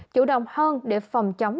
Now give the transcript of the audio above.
chủ động hơn để phòng chống